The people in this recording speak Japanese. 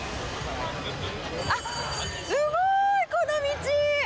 あっ、すごい、この道！